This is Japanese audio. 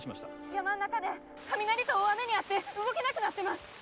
山ん中で雷と大雨に遭って動けなくなってます。